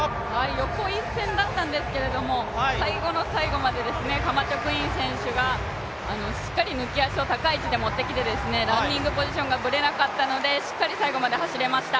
横一線だったんですけれども最後の最後までカマチョクイン選手がしっかり抜き足を高い位置で持ってきてランニングポジションがぶれなくてしっかり最後まで走れました。